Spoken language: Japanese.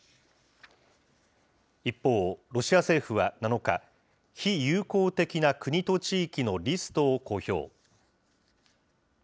一方、ロシア政府は７日、非友好的な国と地域のリストを公表。